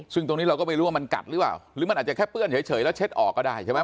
ซึ่งตรงนี้เราก็ไม่รู้ว่ามันกัดหรือเปล่าหรือมันอาจจะแค่เปื้อนเฉยแล้วเช็ดออกก็ได้ใช่ไหม